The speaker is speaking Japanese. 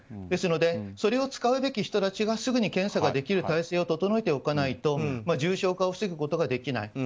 ですのでそれを使うべき人たちがすぐに検査ができる体制を整えておかないと重症化を防ぐことができない。